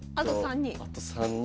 あと３人。